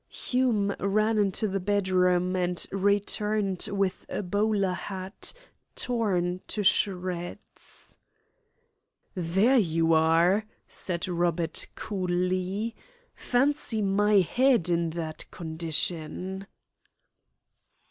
Hume ran into the bedroom, and returned with a bowler hat torn to shreds. "There you are," said Robert coolly, "Fancy my head in that condition."